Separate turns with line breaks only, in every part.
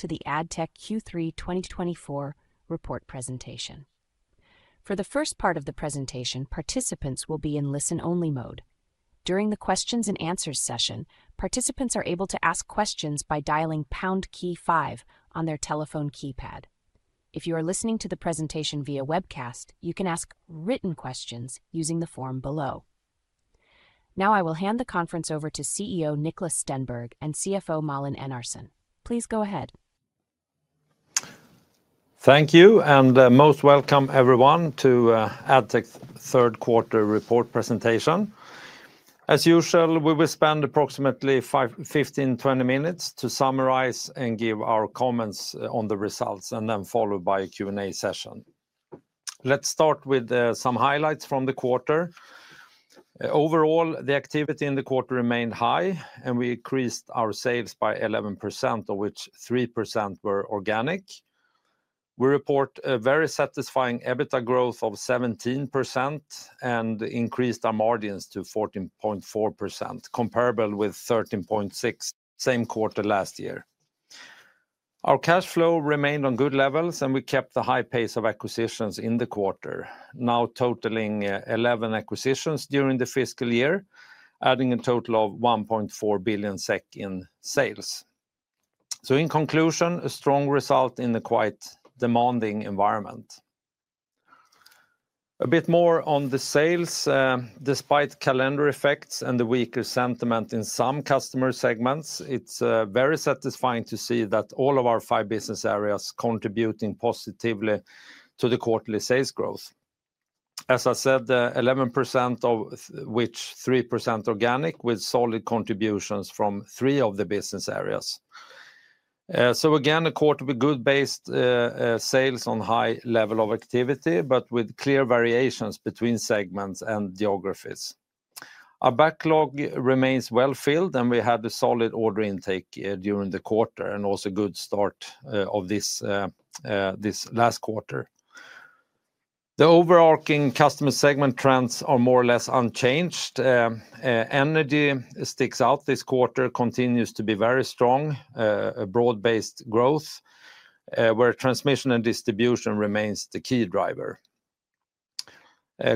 To the Addtech Q3 2024 report presentation. For the first part of the presentation, participants will be in listen-only mode. During the Q&A session, participants are able to ask questions by dialing pound key five on their telephone keypad. If you are listening to the presentation via webcast, you can ask written questions using the form below. Now I will hand the conference over to CEO Niklas Stenberg and CFO Malin Enarson. Please go ahead.
Thank you, and most welcome everyone to Addtech third quarter report presentation. As usual, we will spend approximately 15-20 minutes to summarize and give our comments on the results, and then followed by a Q&A session. Let's start with some highlights from the quarter. Overall, the activity in the quarter remained high, and we increased our sales by 11%, of which 3% were organic. We report a very satisfying EBITA growth of 17% and increased our margins to 14.4%, comparable with 13.6% same quarter last year. Our cash flow remained on good levels, and we kept the high pace of acquisitions in the quarter, now totaling 11 acquisitions during the fiscal year, adding a total of 1.4 billion SEK in sales. So, in conclusion, a strong result in a quite demanding environment. A bit more on the sales: despite calendar effects and the weaker sentiment in some customer segments, it's very satisfying to see that all of our five business areas contributing positively to the quarterly sales growth. As I said, 11% of which 3% organic, with solid contributions from three of the business areas. So again, a quarterly good-based sales on high level of activity, but with clear variations between segments and geographies. Our backlog remains well filled, and we had a solid order intake during the quarter, and also a good start of this last quarter. The overarching customer segment trends are more or less unchanged. Energy sticks out this quarter, continues to be very strong, a broad-based growth, where transmission and distribution remains the key driver.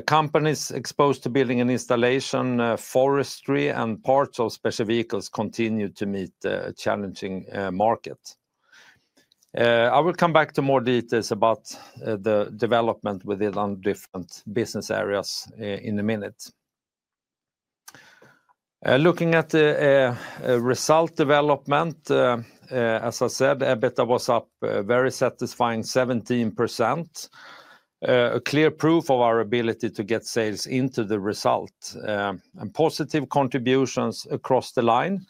Companies exposed to building and installation, forestry, and parts of special vehicles continue to meet a challenging market. I will come back to more details about the development within different business areas in a minute. Looking at the result development, as I said, EBITA was up very satisfying 17%, a clear proof of our ability to get sales into the result, and positive contributions across the line.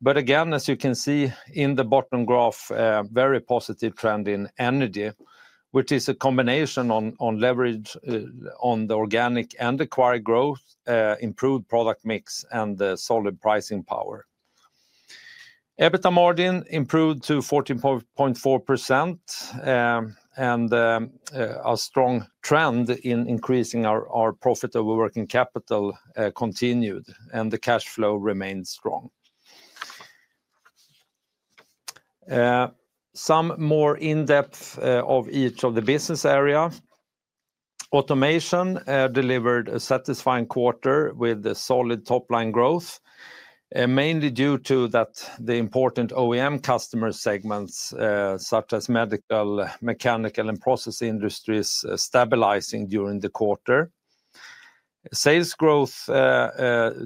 But again, as you can see in the bottom graph, a very positive trend in Energy, which is a combination on leverage on the organic and acquired growth, improved product mix, and solid pricing power. EBITA margin improved to 14.4%, and a strong trend in increasing our profit over working capital continued, and the cash flow remained strong. Some more in-depth of each of the business areas. Automation delivered a satisfying quarter with solid top-line growth, mainly due to the important OEM customer segments such as medical, mechanical, and process industries stabilizing during the quarter. Sales growth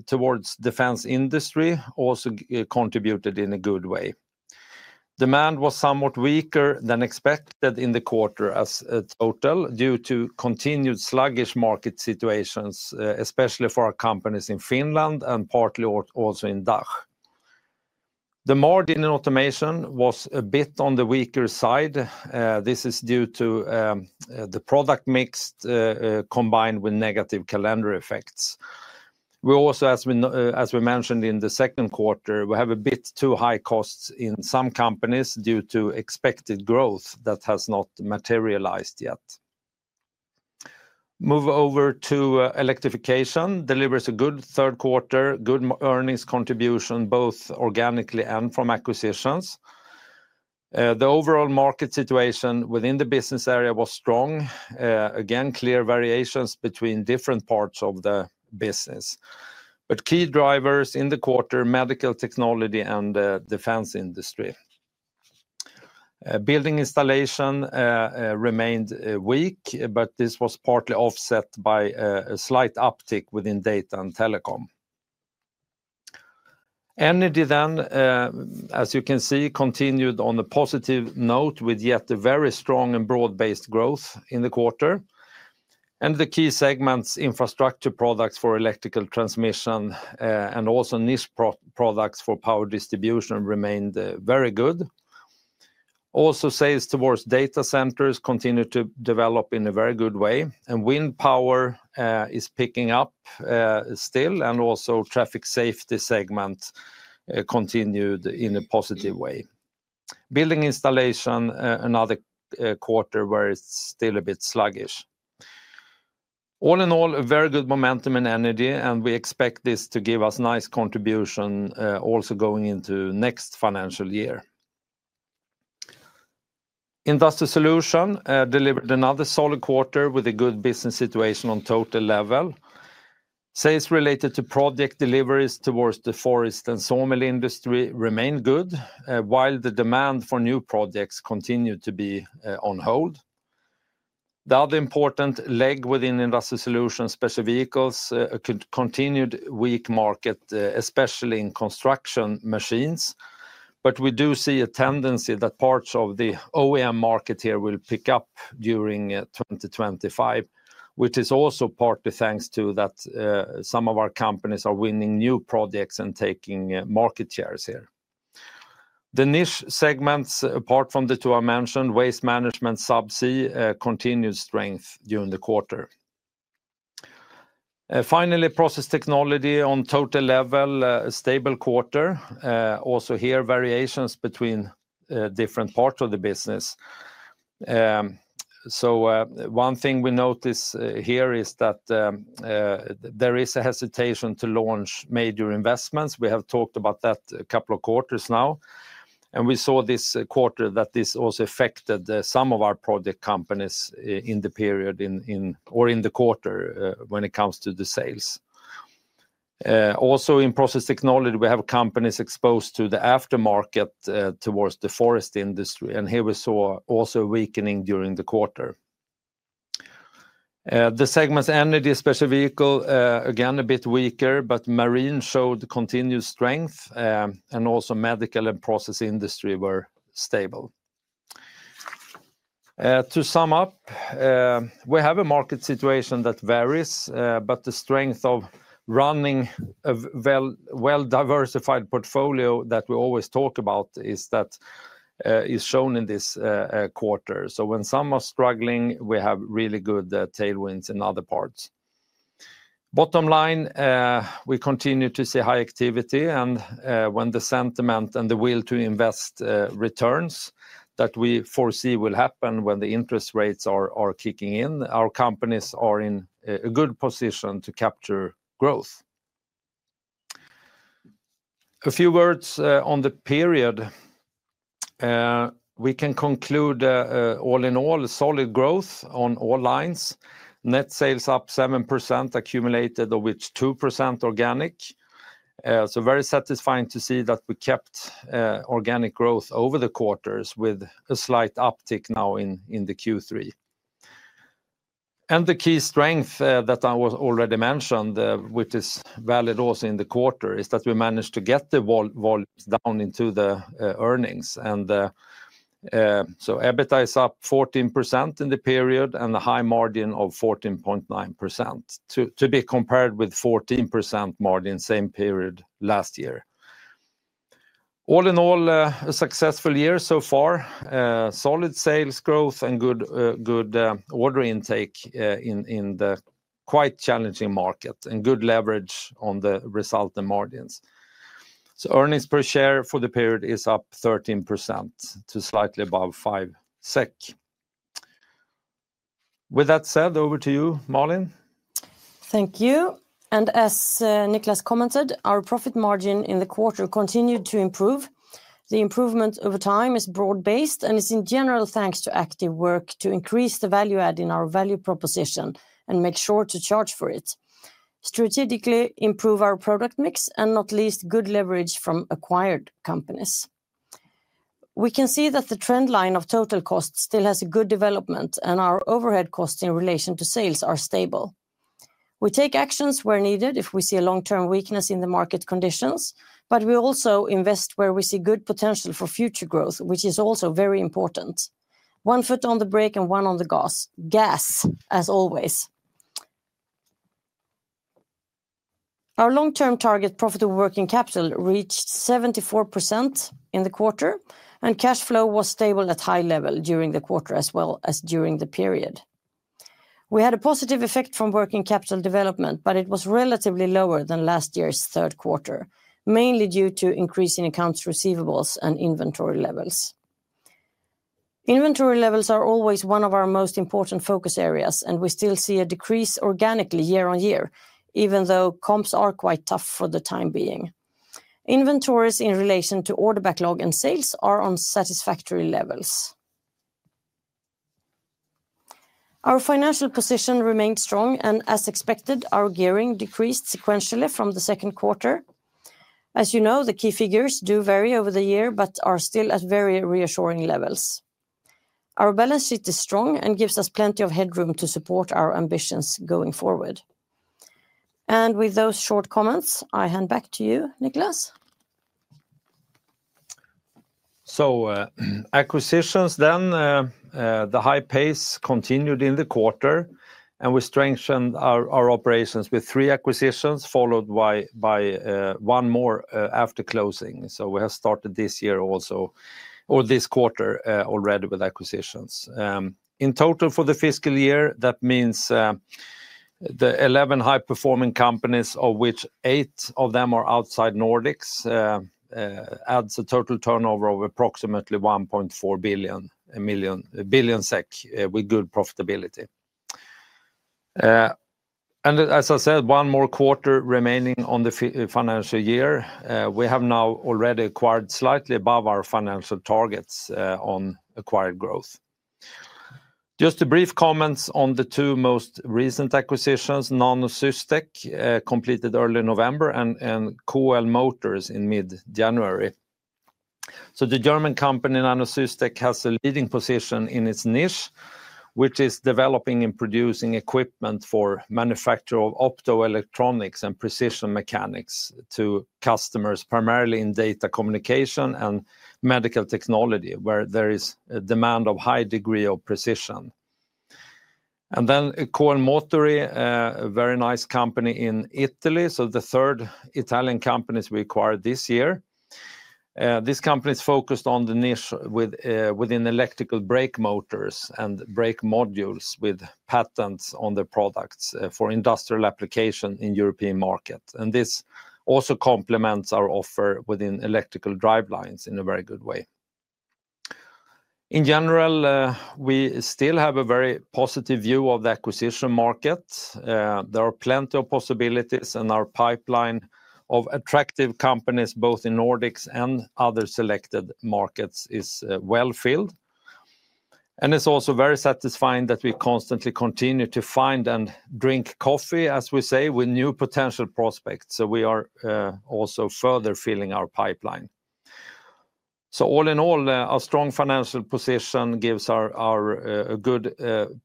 towards defense industry also contributed in a good way. Demand was somewhat weaker than expected in the quarter as a total due to continued sluggish market situations, especially for our companies in Finland and partly also in DACH. The margin in Automation was a bit on the weaker side. This is due to the product mix combined with negative calendar effects. We also, as we mentioned in the second quarter, have a bit too high costs in some companies due to expected growth that has not materialized yet. Move over to Electrification delivers a good third quarter, good earnings contribution both organically and from acquisitions. The overall market situation within the business area was strong. Again, clear variations between different parts of the business. But key drivers in the quarter: medical technology and defense industry. Building installation remained weak, but this was partly offset by a slight uptick within data and telecom. Energy then, as you can see, continued on a positive note with yet a very strong and broad-based growth in the quarter, and the key segments: infrastructure products for electrical transmission and also niche products for power distribution remained very good. Also, sales towards data centers continued to develop in a very good way, and wind power is picking up still, and also traffic safety segment continued in a positive way. Building installation, another quarter where it's still a bit sluggish. All in all, a very good momentum in Energy, and we expect this to give us nice contribution also going into next financial year. Industrial Solutions delivered another solid quarter with a good business situation on total level. Sales related to project deliveries towards the forest and sawmill industry remained good, while the demand for new projects continued to be on hold. The other important leg within Industrial Solutions, special vehicles, continued weak market, especially in construction machines, but we do see a tendency that parts of the OEM market here will pick up during 2025, which is also partly thanks to that some of our companies are winning new projects and taking market shares here. The niche segments, apart from the two I mentioned, waste management, subsea, continued strength during the quarter. Finally, Process Technology on total level, stable quarter. Also here, variations between different parts of the business, so one thing we notice here is that there is a hesitation to launch major investments. We have talked about that a couple of quarters now. And we saw this quarter that this also affected some of our project companies in the period or in the quarter when it comes to the sales. Also in Process Technology, we have companies exposed to the aftermarket towards the forest industry, and here we saw also a weakening during the quarter. The segments Energy, special vehicle, again a bit weaker, but marine showed continued strength, and also medical and process industry were stable. To sum up, we have a market situation that varies, but the strength of running a well-diversified portfolio that we always talk about is that is shown in this quarter. So when some are struggling, we have really good tailwinds in other parts. Bottom line, we continue to see high activity, and when the sentiment and the will to invest returns that we foresee will happen when the interest rates are kicking in, our companies are in a good position to capture growth. A few words on the period. We can conclude all in all solid growth on all lines. Net sales up 7% accumulated, of which 2% organic. So very satisfying to see that we kept organic growth over the quarters with a slight uptick now in the Q3. And the key strength that I already mentioned, which is valid also in the quarter, is that we managed to get the volumes down into the earnings. And so EBITA is up 14% in the period and a high margin of 14.9% to be compared with 14% margin same period last year. All in all, a successful year so far, solid sales growth and good order intake in the quite challenging market and good leverage on the result and margins. So earnings per share for the period is up 13% to slightly above 5 SEK. With that said, over to you, Malin.
Thank you. And as Niklas commented, our profit margin in the quarter continued to improve. The improvement over time is broad-based and is in general thanks to active work to increase the value add in our value proposition and make sure to charge for it, strategically improve our product mix, and not least good leverage from acquired companies. We can see that the trend line of total costs still has a good development and our overhead costs in relation to sales are stable. We take actions where needed if we see a long-term weakness in the market conditions, but we also invest where we see good potential for future growth, which is also very important. One foot on the brake and one on the gas, as always. Our long-term target profitable working capital reached 74% in the quarter, and cash flow was stable at high level during the quarter as well as during the period. We had a positive effect from working capital development, but it was relatively lower than last year's third quarter, mainly due to increasing accounts receivables and inventory levels. Inventory levels are always one of our most important focus areas, and we still see a decrease organically year on year, even though comps are quite tough for the time being. Inventories in relation to order backlog and sales are on satisfactory levels. Our financial position remained strong, and as expected, our gearing decreased sequentially from the second quarter. As you know, the key figures do vary over the year, but are still at very reassuring levels. Our balance sheet is strong and gives us plenty of headroom to support our ambitions going forward. With those short comments, I hand back to you, Niklas.
So acquisitions then, the high pace continued in the quarter, and we strengthened our operations with three acquisitions followed by one more after closing. So we have started this year also, or this quarter already with acquisitions. In total for the fiscal year, that means the eleven high-performing companies, of which eight of them are outside Nordics, adds a total turnover of approximately 1.4 billion with good profitability. And as I said, one more quarter remaining on the financial year. We have now already acquired slightly above our financial targets on acquired growth. Just a brief comments on the two most recent acquisitions, Nanosystec completed early November and Coel Motori in mid-January. The German company Nanosystec has a leading position in its niche, which is developing and producing equipment for manufacture of optoelectronics and precision mechanics to customers primarily in data communication and medical technology, where there is a demand of high degree of precision. And then Coel Motori, a very nice company in Italy, so the third Italian company we acquired this year. This company is focused on the niche within electrical brake motors and brake modules with patents on their products for industrial application in European market. And this also complements our offer within electrical drivelines in a very good way. In general, we still have a very positive view of the acquisition market. There are plenty of possibilities, and our pipeline of attractive companies both in Nordics and other selected markets is well filled. And it's also very satisfying that we constantly continue to find and drink coffee, as we say, with new potential prospects. So we are also further filling our pipeline. So all in all, our strong financial position gives our good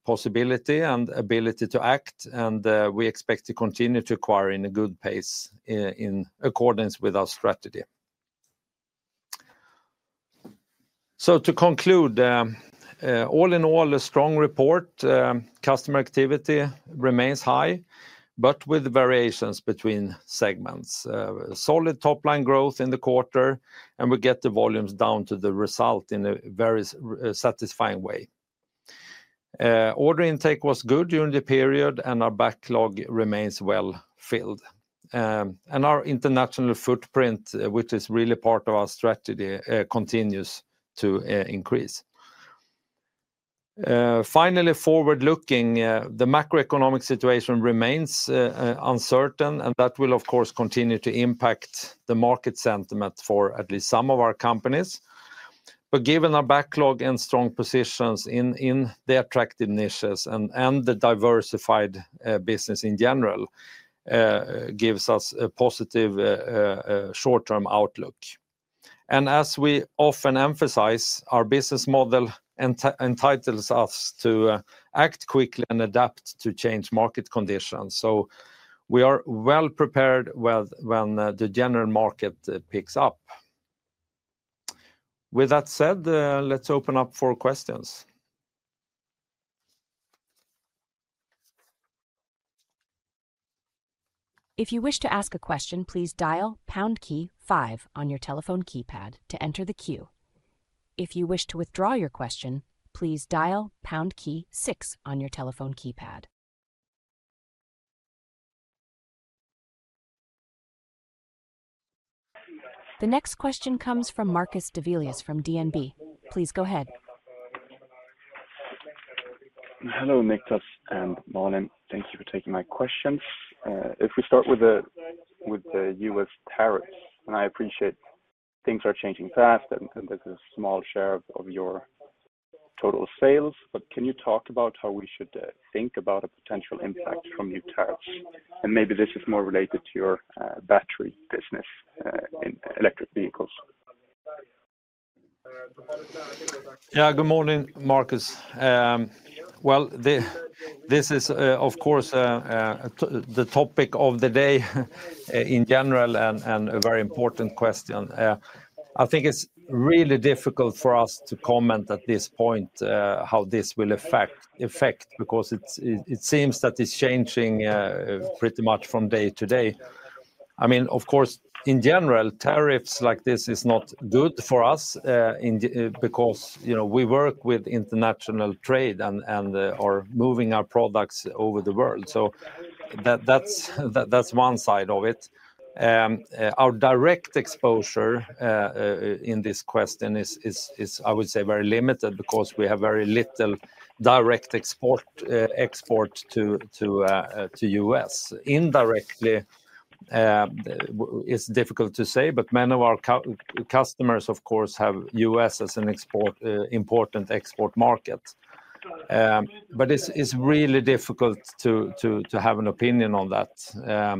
possibility and ability to act, and we expect to continue to acquire in a good pace in accordance with our strategy. So to conclude, all in all, a strong report. Customer activity remains high, but with variations between segments. Solid top-line growth in the quarter, and we get the volumes down to the result in a very satisfying way. Order intake was good during the period, and our backlog remains well filled. And our international footprint, which is really part of our strategy, continues to increase. Finally, forward-looking, the macroeconomic situation remains uncertain, and that will, of course, continue to impact the market sentiment for at least some of our companies. But given our backlog and strong positions in the attractive niches and the diversified business in general, it gives us a positive short-term outlook. And as we often emphasize, our business model entitles us to act quickly and adapt to changing market conditions. So we are well prepared when the general market picks up. With that said, let's open up for questions.
If you wish to ask a question, please dial pound key five on your telephone keypad to enter the queue. If you wish to withdraw your question, please dial pound key six on your telephone keypad. The next question comes from Marcus Develius from DNB. Please go ahead.
Hello, Niklas and Malin. Thank you for taking my questions. If we start with the U.S. tariffs, and I appreciate things are changing fast, and there's a small share of your total sales, but can you talk about how we should think about a potential impact from new tariffs, and maybe this is more related to your battery business in electric vehicles?
Yeah, good morning, Marcus. Well, this is, of course, the topic of the day in general and a very important question. I think it's really difficult for us to comment at this point how this will affect because it seems that it's changing pretty much from day to day. I mean, of course, in general, tariffs like this is not good for us because we work with international trade and are moving our products over the world. So that's one side of it. Our direct exposure in this question is, I would say, very limited because we have very little direct export to the U.S. Indirectly, it's difficult to say, but many of our customers, of course, have U.S. as an important export market. But it's really difficult to have an opinion on that.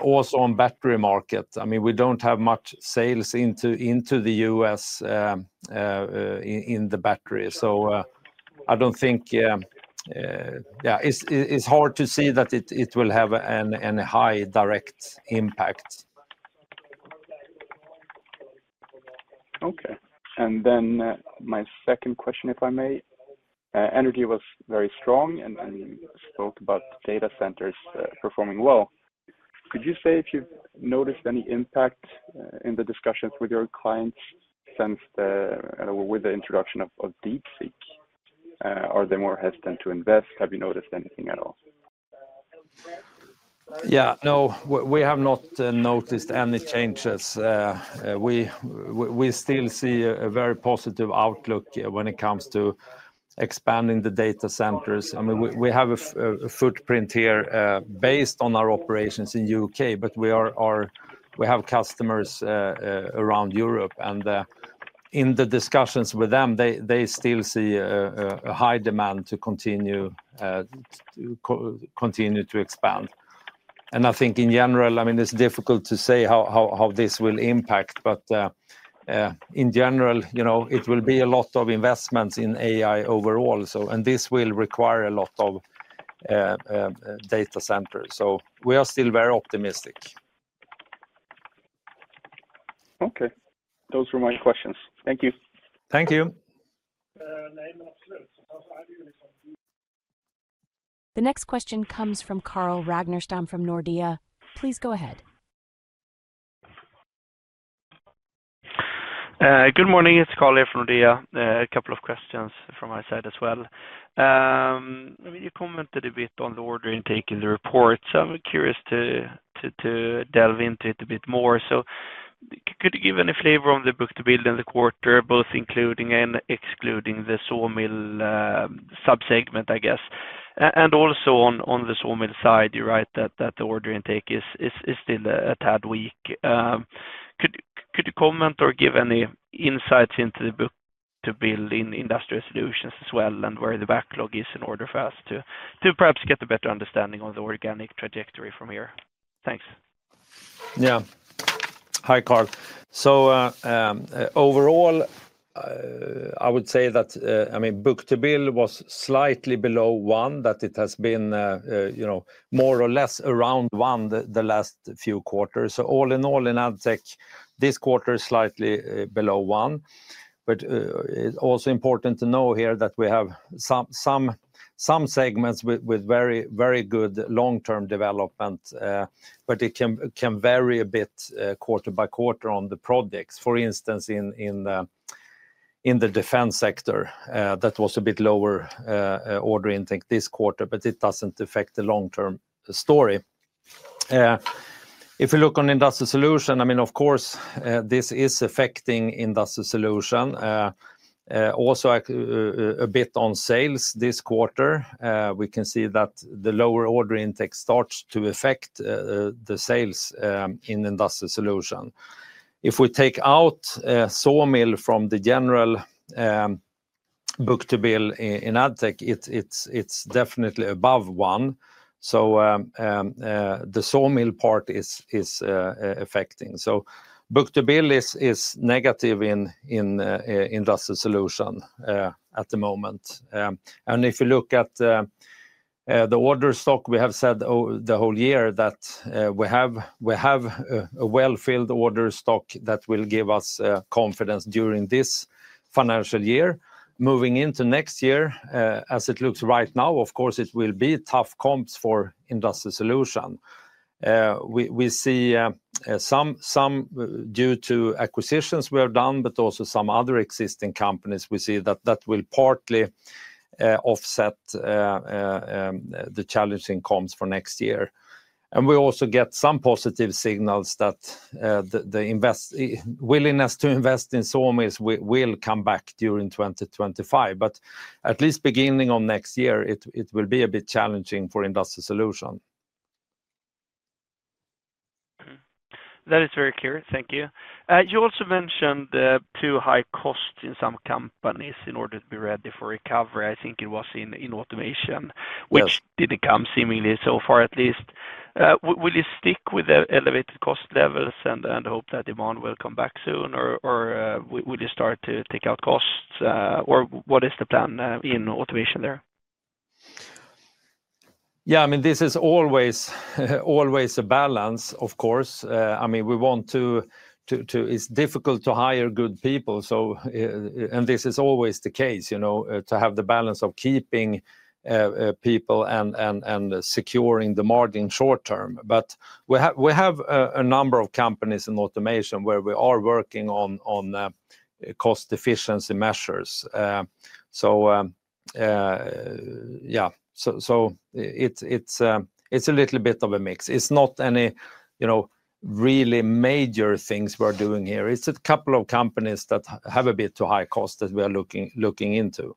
Also on battery market, I mean, we don't have much sales into the U.S. in the battery. So I don't think, yeah, it's hard to see that it will have a high direct impact.
Okay, and then my second question, if I may. Energy was very strong and spoke about data centers performing well. Could you say if you've noticed any impact in the discussions with your clients since with the introduction of DeepSeek? Are they more hesitant to invest? Have you noticed anything at all?
Yeah, no, we have not noticed any changes. We still see a very positive outlook when it comes to expanding the data centers. I mean, we have a footprint here based on our operations in the U.K., but we have customers around Europe, and in the discussions with them, they still see a high demand to continue to expand. And I think in general, I mean, it's difficult to say how this will impact, but in general, it will be a lot of investments in AI overall, and this will require a lot of data centers, so we are still very optimistic.
Okay. Those were my questions. Thank you.
Thank you.
The next question comes from Carl Ragnerstam from Nordea. Please go ahead.
Good morning. It's Carl here from Nordea. A couple of questions from my side as well. I mean, you commented a bit on the order intake in the report. So I'm curious to delve into it a bit more. So could you give any flavor on the book-to-bill in the quarter, both including and excluding the sawmill subsegment, I guess? And also on the sawmill side, you write that the order intake is still a tad weak. Could you comment or give any insights into the book-to-bill in industrial solutions as well and where the backlog is in order for us to perhaps get a better understanding of the organic trajectory from here? Thanks.
Yeah. Hi, Carl. So overall, I would say that, I mean, book to build was slightly below one, that it has been more or less around one the last few quarters. So all in all, in Addtech, this quarter is slightly below one. But it's also important to know here that we have some segments with very good long-term development, but it can vary a bit quarter by quarter on the projects. For instance, in the defense sector, that was a bit lower order intake this quarter, but it doesn't affect the long-term story. If you look on Industrial Solutions, I mean, of course, this is affecting Industrial Solutions. Also a bit on sales this quarter. We can see that the lower order intake starts to affect the sales in Industrial Solutions. If we take out sawmill from the general book to build in Addtech, it's definitely above one. The sawmill part is affecting. Book-to-build is negative in Industrial Solutions at the moment. And if you look at the order stock, we have said the whole year that we have a well-filled order stock that will give us confidence during this financial year. Moving into next year, as it looks right now, of course, it will be tough comps for Industrial Solutions. We see some due to acquisitions we have done, but also some other existing companies we see that will partly offset the challenging comps for next year. And we also get some positive signals that the willingness to invest in sawmills will come back during 2025. But at least beginning of next year, it will be a bit challenging for Industrial Solutions.
That is very clear. Thank you. You also mentioned too high cost in some companies in order to be ready for recovery. I think it was in Automation, which didn't come seemingly so far at least. Will you stick with the elevated cost levels and hope that demand will come back soon, or will you start to take out costs, or what is the plan in Automation there?
Yeah, I mean, this is always a balance, of course. I mean, we want to, it's difficult to hire good people, and this is always the case, to have the balance of keeping people and securing the margin short term. But we have a number of companies in Automation where we are working on cost efficiency measures. So yeah, so it's a little bit of a mix. It's not any really major things we're doing here. It's a couple of companies that have a bit too high cost that we are looking into.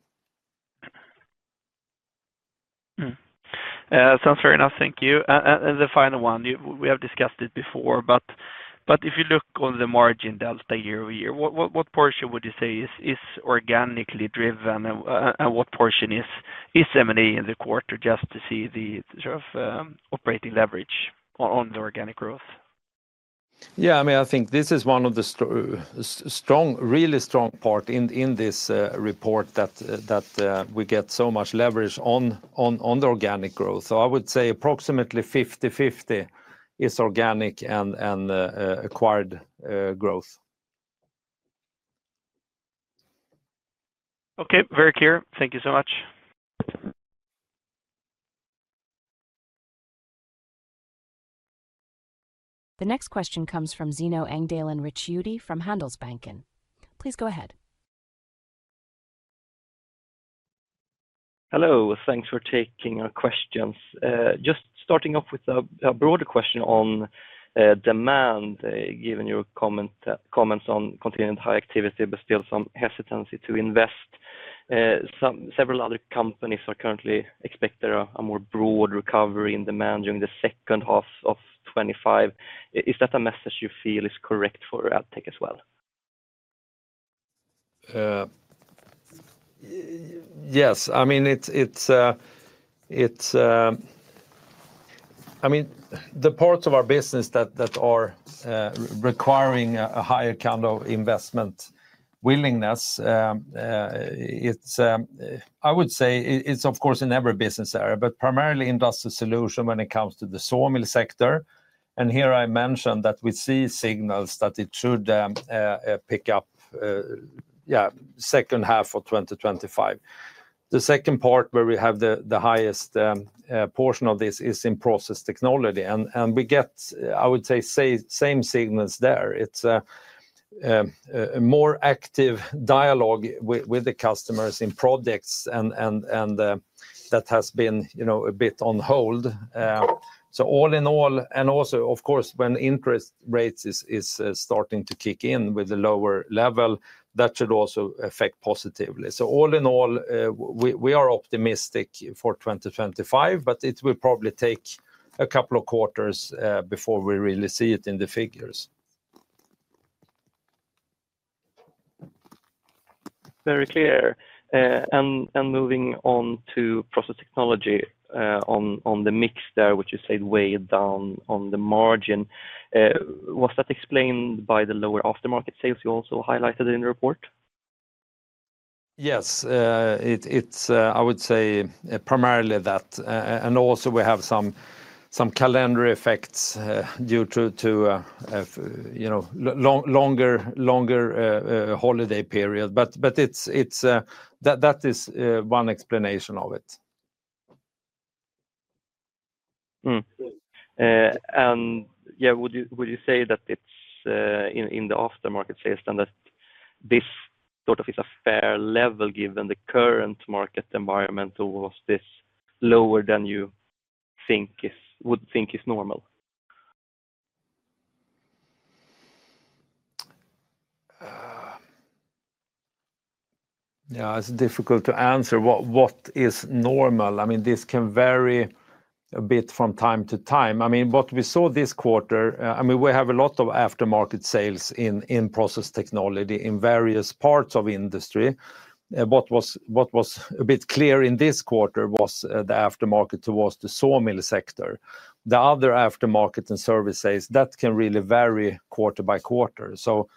Sounds fair enough. Thank you. And the final one, we have discussed it before, but if you look on the margin delta year-over-year, what portion would you say is organically driven and what portion is M&A in the quarter just to see the sort of operating leverage on the organic growth?
Yeah, I mean, I think this is one of the strong, really strong parts in this report that we get so much leverage on the organic growth. So I would say approximately 50/50 is organic and acquired growth.
Okay, very clear. Thank you so much.
The next question comes from Zino Engdalen Ricciuti from Handelsbanken. Please go ahead.
Hello. Thanks for taking our questions. Just starting off with a broader question on demand, given your comments on continuing high activity but still some hesitancy to invest. Several other companies are currently expecting a more broad recovery in demand during the second half of 2025. Is that a message you feel is correct for Addtech as well?
Yes. I mean, it's, I mean, the parts of our business that are requiring a higher kind of investment willingness. I would say it's, of course, in every business area, but primarily Industrial Solutions when it comes to the sawmill sector. And here I mentioned that we see signals that it should pick up, yeah, second half of 2025. The second part where we have the highest portion of this is in Process Technology. And we get, I would say, same signals there. It's a more active dialogue with the customers in projects and that has been a bit on hold. So all in all, and also, of course, when interest rates are starting to kick in with the lower level, that should also affect positively. So all in all, we are optimistic for 2025, but it will probably take a couple of quarters before we really see it in the figures.
Very clear and moving on to Process Technology on the mix there, which you said weighed down on the margin. Was that explained by the lower aftermarket sales you also highlighted in the report?
Yes. It's, I would say, primarily that, and also we have some calendar effects due to longer holiday period, but that is one explanation of it.
Would you say that it's in the aftermarket sales and that this sort of is a fair level given the current market environment or was this lower than you would think is normal?
Yeah, it's difficult to answer what is normal. I mean, this can vary a bit from time to time. I mean, what we saw this quarter, I mean, we have a lot of aftermarket sales in Process Technology in various parts of industry. What was a bit clear in this quarter was the aftermarket towards the sawmill sector. The other aftermarket and service sales that can really vary quarter by quarter. So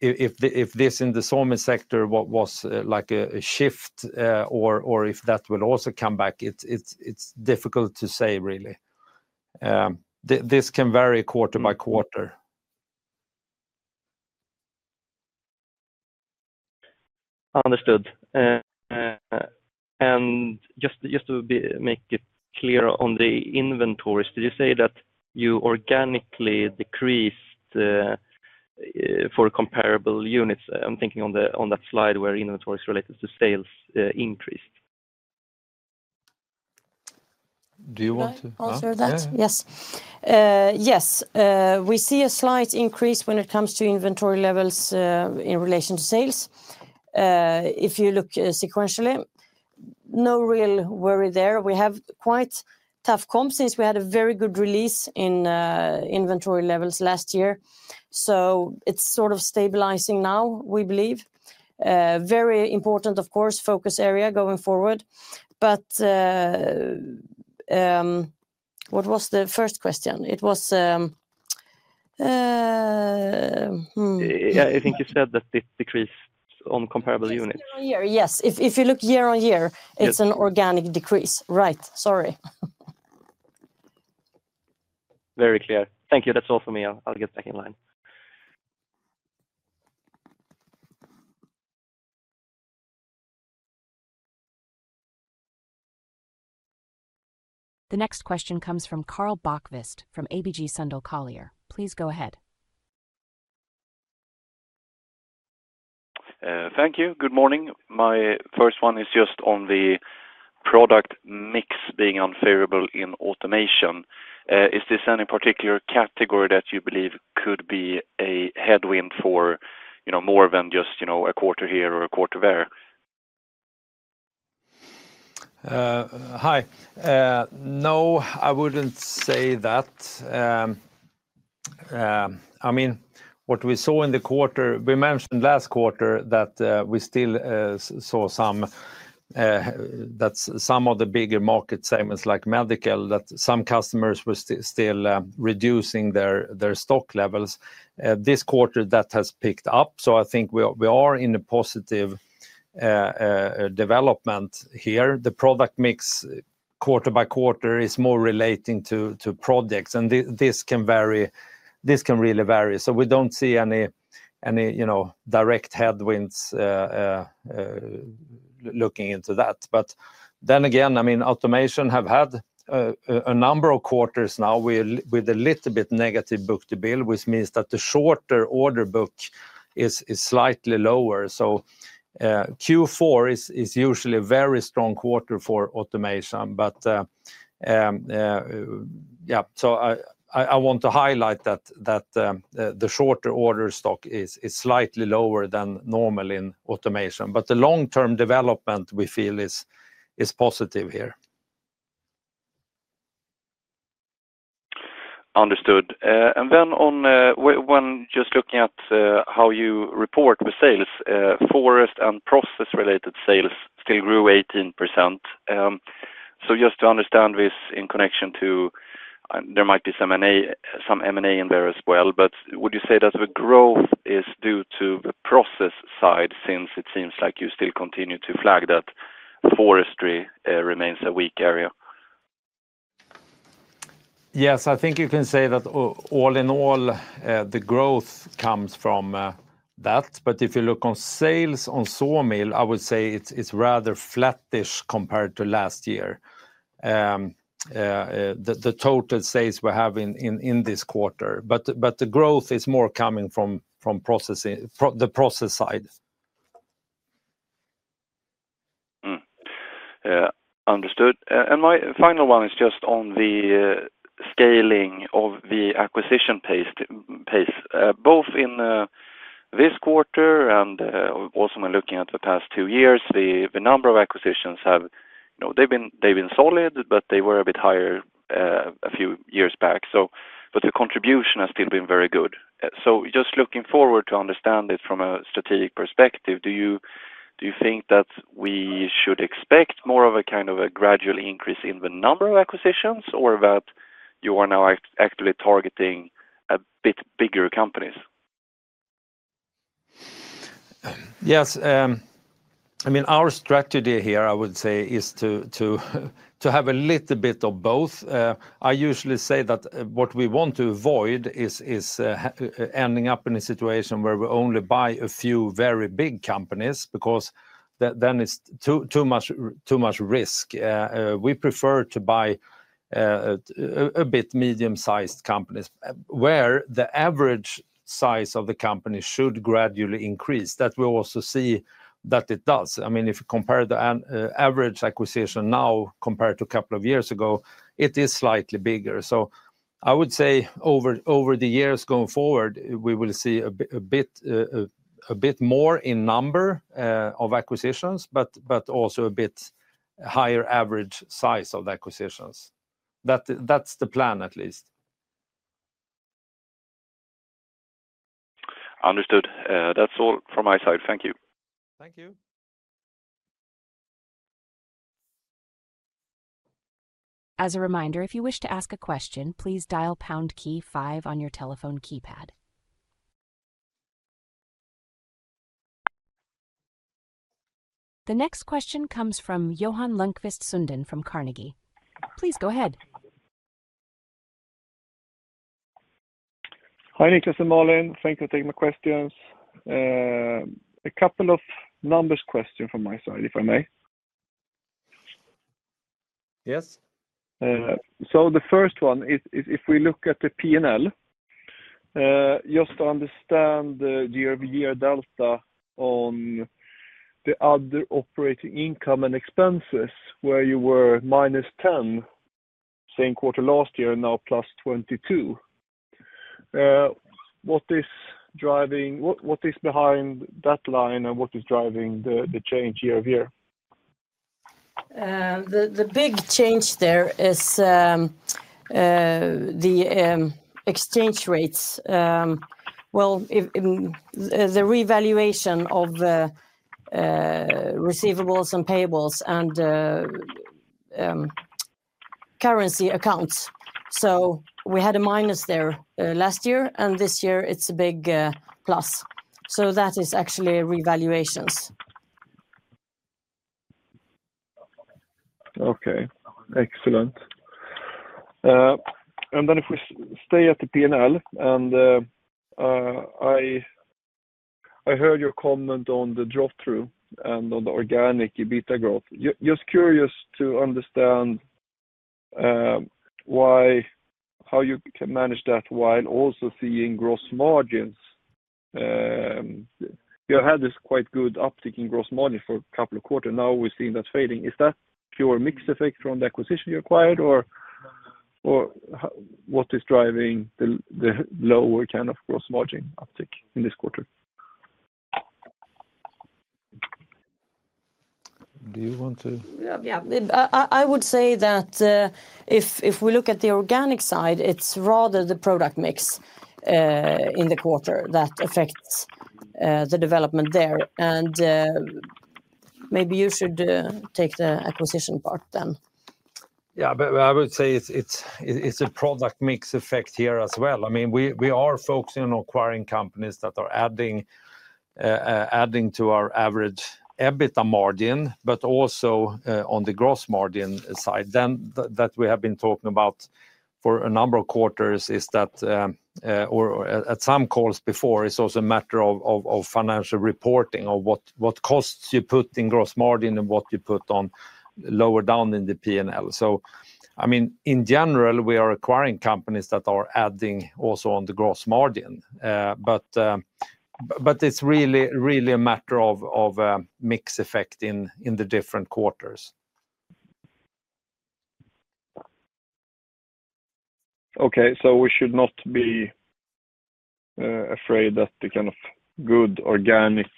if this in the sawmill sector was like a shift or if that will also come back, it's difficult to say really. This can vary quarter by quarter.
Understood, and just to make it clear on the inventories, did you say that you organically decreased for comparable units? I'm thinking on that slide where inventory is related to sales increased.
Do you want to answer that?
Yes. Yes. We see a slight increase when it comes to inventory levels in relation to sales if you look sequentially. No real worry there. We have quite tough comps since we had a very good release in inventory levels last year. So it's sort of stabilizing now, we believe. Very important, of course, focus area going forward. But what was the first question? It was.
Yeah, I think you said that it decreased on comparable units.
Year on year. Yes. If you look year on year, it's an organic decrease. Right. Sorry.
Very clear. Thank you. That's all for me. I'll get back in line.
The next question comes from Karl Bokvist from ABG Sundal Collier. Please go ahead.
Thank you. Good morning. My first one is just on the product mix being unfavorable in Automation. Is this any particular category that you believe could be a headwind for more than just a quarter here or a quarter there?
Hi. No, I wouldn't say that. I mean, what we saw in the quarter, we mentioned last quarter that we still saw some of the bigger market segments like medical, that some customers were still reducing their stock levels. This quarter, that has picked up. So I think we are in a positive development here. The product mix quarter by quarter is more relating to projects, and this can really vary. So we don't see any direct headwinds looking into that. But then again, I mean, Automation has had a number of quarters now with a little bit negative book-to-build, which means that the shorter order book is slightly lower. So Q4 is usually a very strong quarter for Automation. But yeah, so I want to highlight that the shorter order stock is slightly lower than normal in Automation. But the long-term development we feel is positive here.
Understood. And then, on just looking at how you report with sales, forest and process-related sales still grew 18%. So just to understand this in connection to there might be some M&A in there as well, but would you say that the growth is due to the process side since it seems like you still continue to flag that forestry remains a weak area?
Yes, I think you can say that all in all, the growth comes from that. But if you look on sales on sawmill, I would say it's rather flattish compared to last year, the total sales we have in this quarter. But the growth is more coming from the process side.
Understood, and my final one is just on the scaling of the acquisition pace, both in this quarter and also when looking at the past two years, the number of acquisitions have they been solid, but they were a bit higher a few years back, but the contribution has still been very good, so just looking forward to understand it from a strategic perspective, do you think that we should expect more of a kind of a gradual increase in the number of acquisitions or that you are now actually targeting a bit bigger companies?
Yes. I mean, our strategy here, I would say, is to have a little bit of both. I usually say that what we want to avoid is ending up in a situation where we only buy a few very big companies because then it's too much risk. We prefer to buy a bit medium-sized companies where the average size of the company should gradually increase. That we also see that it does. I mean, if you compare the average acquisition now compared to a couple of years ago, it is slightly bigger. So I would say over the years going forward, we will see a bit more in number of acquisitions, but also a bit higher average size of acquisitions. That's the plan at least.
Understood. That's all from my side. Thank you.
Thank you.
As a reminder, if you wish to ask a question, please dial pound key five on your telephone keypad. The next question comes from Johan Lönnqvist Sundén from Carnegie. Please go ahead.
Hi, Niklas and Malin. Thank you for taking my questions. A couple of numbers questions from my side, if I may.
Yes.
The first one is if we look at the P&L, just to understand the year-over-year delta on the other operating income and expenses where you were -10 same quarter last year and now +22. What is behind that line and what is driving the change year-over-year?
The big change there is the exchange rates. Well, the revaluation of receivables and payables and currency accounts. So we had a minus there last year, and this year it's a big plus. So that is actually revaluations.
Okay. Excellent. And then if we stay at the P&L, and I heard your comment on the drop-through and on the organic EBITA growth. Just curious to understand how you can manage that while also seeing gross margins. You had this quite good uptick in gross margin for a couple of quarters. Now we're seeing that fading. Is that pure mix effect from the acquisition you acquired, or what is driving the lower kind of gross margin uptick in this quarter?
Do you want to?
Yeah. I would say that if we look at the organic side, it's rather the product mix in the quarter that affects the development there, and maybe you should take the acquisition part then.
Yeah, but I would say it's a product mix effect here as well. I mean, we are focusing on acquiring companies that are adding to our average EBITA margin, but also on the gross margin side. Then that we have been talking about for a number of quarters is that, or at some calls before, it's also a matter of financial reporting of what costs you put in gross margin and what you put on lower down in the P&L. So I mean, in general, we are acquiring companies that are adding also on the gross margin. But it's really a matter of mix effect in the different quarters.
Okay. So we should not be afraid that the kind of good organic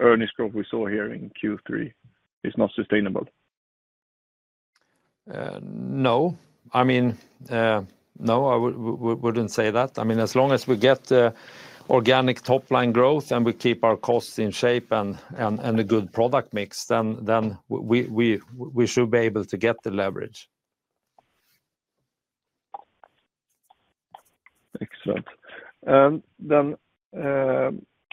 earnings growth we saw here in Q3 is not sustainable?
No. I mean, no, I wouldn't say that. I mean, as long as we get organic top-line growth and we keep our costs in shape and a good product mix, then we should be able to get the leverage.
Excellent. Then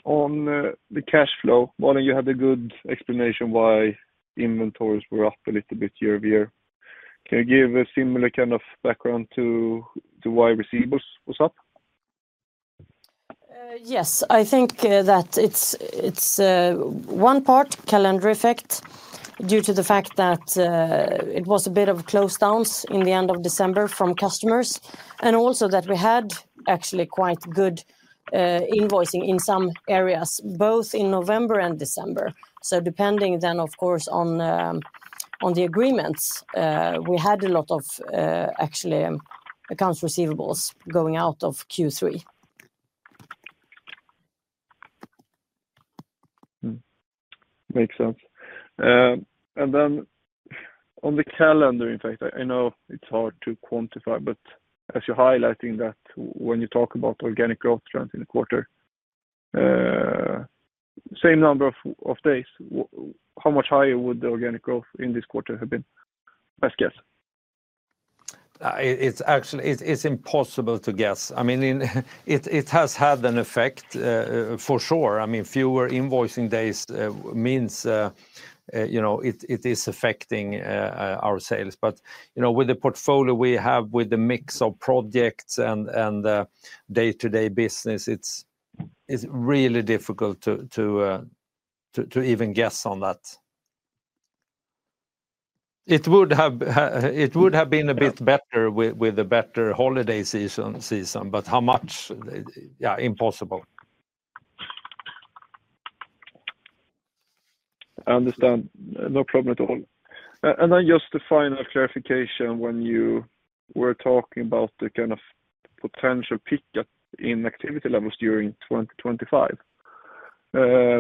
on the cash flow, Malin, you had a good explanation why inventories were up a little bit year-over-year. Can you give a similar kind of background to why receivables was up?
Yes. I think that it's one part calendar effect due to the fact that it was a bit of close downs in the end of December from customers and also that we had actually quite good invoicing in some areas, both in November and December, so depending then, of course, on the agreements, we had a lot of actually accounts receivables going out of Q3.
Makes sense. And then on the calendar, in fact, I know it's hard to quantify, but as you're highlighting that when you talk about organic growth trends in the quarter, same number of days, how much higher would the organic growth in this quarter have been? Best guess.
It's impossible to guess. I mean, it has had an effect for sure. I mean, fewer invoicing days means it is affecting our sales. But with the portfolio we have with the mix of projects and day-to-day business, it's really difficult to even guess on that. It would have been a bit better with a better holiday season, but how much? Yeah, impossible.
I understand. No problem at all. And then just a final clarification when you were talking about the kind of potential pickup in activity levels during 2025.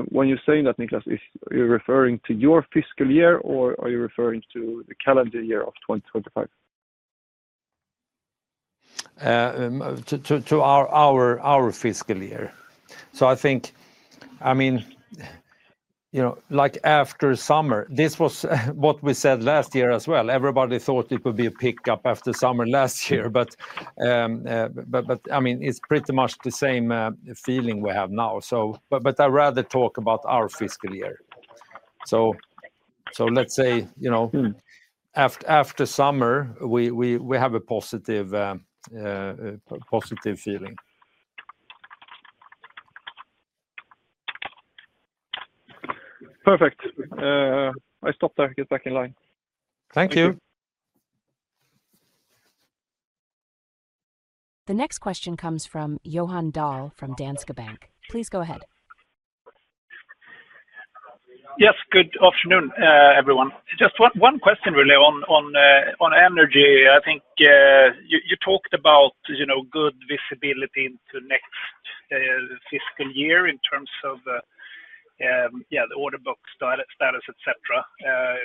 When you're saying that, Niklas, you're referring to your fiscal year or are you referring to the calendar year of 2025?
To our fiscal year. So I think, I mean, like after summer, this was what we said last year as well. Everybody thought it would be a pickup after summer last year. But I mean, it's pretty much the same feeling we have now. But I'd rather talk about our fiscal year. So let's say after summer, we have a positive feeling.
Perfect. I stopped there. Get back in line.
Thank you.
The next question comes from Johan Dahl from Danske Bank. Please go ahead.
Yes. Good afternoon, everyone. Just one question really on Energy. I think you talked about good visibility into next fiscal year in terms of, yeah, the order book status, etc.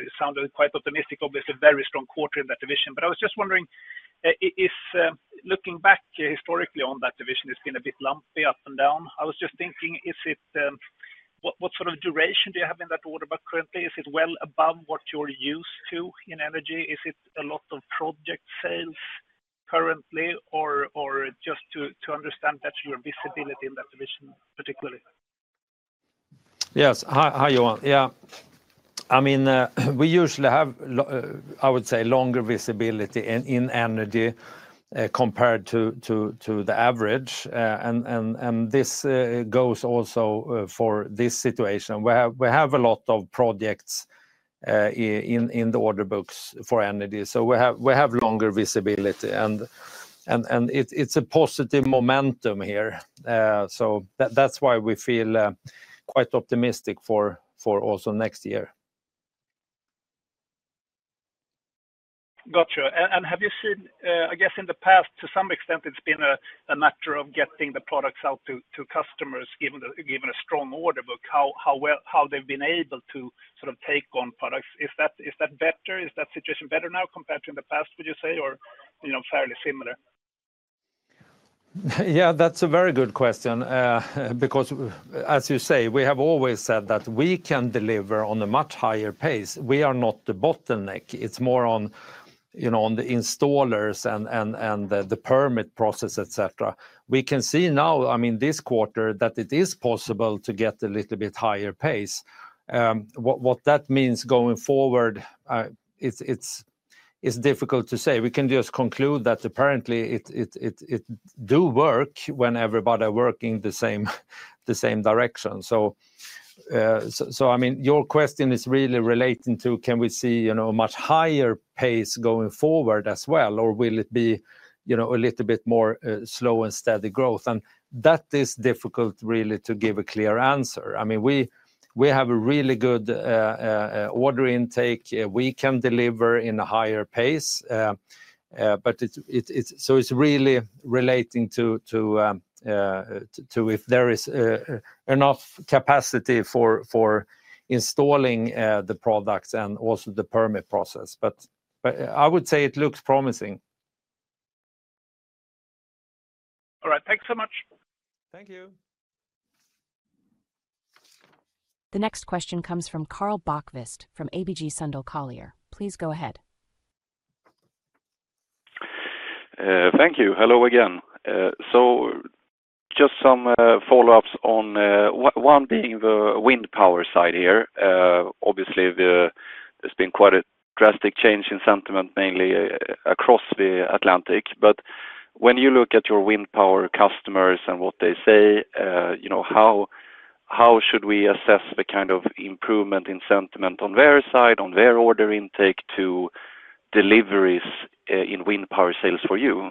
It sounded quite optimistic, obviously, very strong quarter in that division. But I was just wondering, looking back historically on that division, it's been a bit lumpy, up and down. I was just thinking, what sort of duration do you have in that order book currently? Is it well above what you're used to in Energy? Is it a lot of project sales currently, or just to understand better your visibility in that division particularly?
Yes. Hi, Johan. Yeah. I mean, we usually have, I would say, longer visibility in Energy compared to the average. And this goes also for this situation. We have a lot of projects in the order books for Energy. So we have longer visibility. And it's a positive momentum here. So that's why we feel quite optimistic for also next year.
Gotcha. And have you seen, I guess, in the past, to some extent, it's been a matter of getting the products out to customers, given a strong order book, how they've been able to sort of take on products? Is that better? Is that situation better now compared to in the past, would you say, or fairly similar?
Yeah, that's a very good question. Because as you say, we have always said that we can deliver on a much higher pace. We are not the bottleneck. It's more on the installers and the permit process, etc. We can see now, I mean, this quarter that it is possible to get a little bit higher pace. What that means going forward, it's difficult to say. We can just conclude that apparently it does work when everybody is working the same direction. So I mean, your question is really relating to can we see a much higher pace going forward as well, or will it be a little bit more slow and steady growth? And that is difficult really to give a clear answer. I mean, we have a really good order intake. We can deliver in a higher pace. But so it's really relating to if there is enough capacity for installing the products and also the permit process. But I would say it looks promising.
All right. Thanks so much.
Thank you.
The next question comes from Karl Bokvist from ABG Sundal Collier. Please go ahead.
Thank you. Hello again, so just some follow-ups on one being the wind power side here. Obviously, there's been quite a drastic change in sentiment mainly across the Atlantic. But when you look at your wind power customers and what they say, how should we assess the kind of improvement in sentiment on their side, on their order intake to deliveries in wind power sales for you?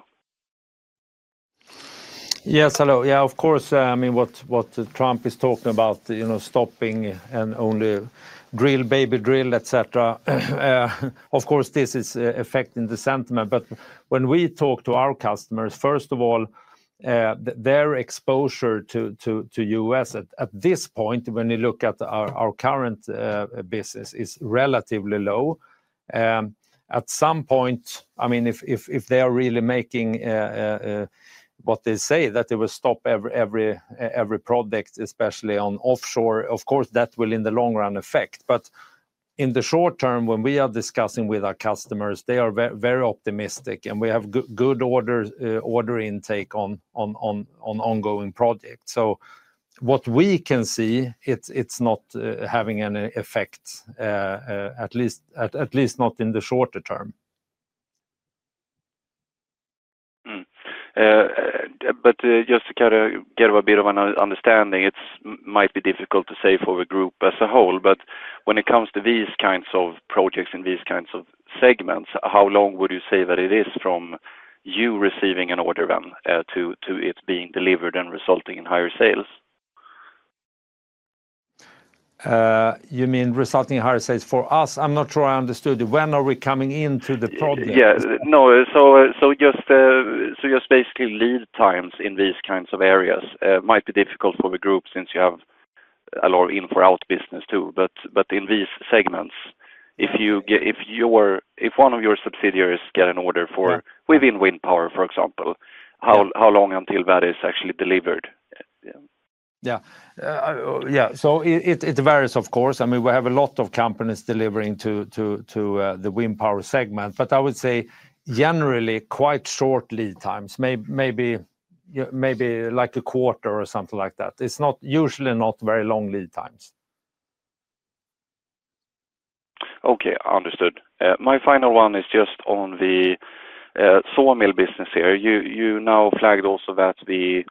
Yes. Hello. Yeah, of course. I mean, what Trump is talking about, stopping and only drill, baby drill, etc., of course, this is affecting the sentiment. But when we talk to our customers, first of all, their exposure to U.S. at this point, when you look at our current business, is relatively low. At some point, I mean, if they are really making what they say that they will stop every product, especially on offshore, of course, that will in the long run affect. But in the short term, when we are discussing with our customers, they are very optimistic, and we have good order intake on ongoing projects. So what we can see, it's not having any effect, at least not in the shorter term.
But just to kind of get a bit of an understanding, it might be difficult to say for the group as a whole. But when it comes to these kinds of projects and these kinds of segments, how long would you say that it is from you receiving an order then to it being delivered and resulting in higher sales?
You mean resulting in higher sales for us? I'm not sure I understood. When are we coming into the project?
Yeah. No. So just basically lead times in these kinds of areas might be difficult for the group since you have a lot of in-for-out business too. But in these segments, if one of your subsidiaries got an order for wind power, for example, how long until that is actually delivered?
Yeah. Yeah. So it varies, of course. I mean, we have a lot of companies delivering to the wind power segment. But I would say generally quite short lead times, maybe like a quarter or something like that. It's usually not very long lead times.
Okay. Understood. My final one is just on the sawmill business here. You now flagged also that the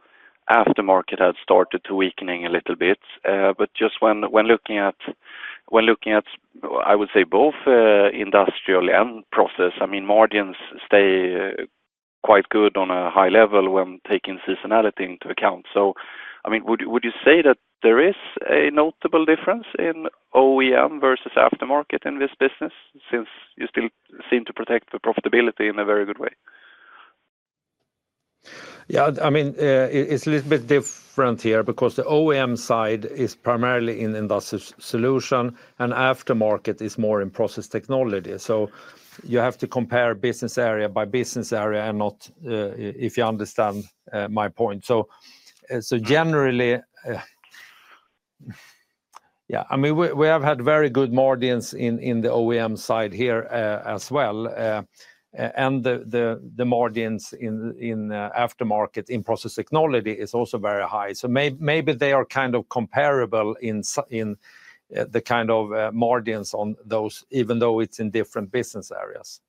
aftermarket had started to weaken a little bit. But just when looking at, I would say, both industrial and process, I mean, margins stay quite good on a high level when taking seasonality into account. So I mean, would you say that there is a notable difference in OEM versus aftermarket in this business since you still seem to protect the profitability in a very good way?
Yeah. I mean, it's a little bit different here because the OEM side is primarily in industrial solution, and aftermarket is more in Process Technology. So you have to compare business area by business area and not if you understand my point. So generally, yeah, I mean, we have had very good margins in the OEM side here as well. And the margins in aftermarket in Process Technology is also very high. So maybe they are kind of comparable in the kind of margins on those, even though it's in different business areas.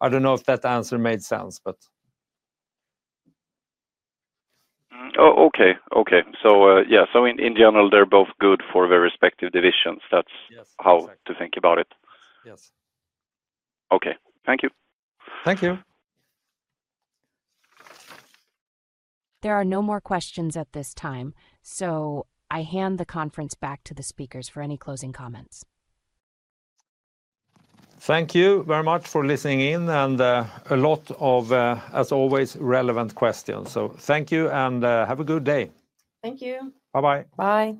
I don't know if that answer made sense, but.
In general, they're both good for their respective divisions. That's how to think about it.
Yes.
Okay. Thank you.
Thank you.
There are no more questions at this time. So I hand the conference back to the speakers for any closing comments.
Thank you very much for listening in and a lot of, as always, relevant questions. So thank you and have a good day.
Thank you.
Bye-bye.
Bye.